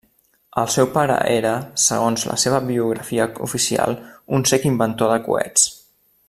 El seu pare era, segons la seva biografia oficial, un cec inventor de coets.